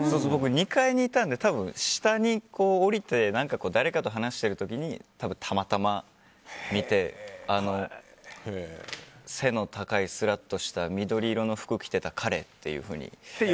２階にいたんで多分、下に降りて誰かと話している時に多分、たまたま見て背の高いすらっとした緑色の服着てた彼というふうに。